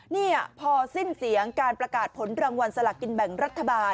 นี่พอสิ้นเสียงการประกาศผลรางวัลสลักกินแบ่งรัฐบาล